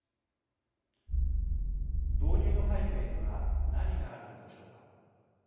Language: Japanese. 導入の背景には何があるのでしょうか。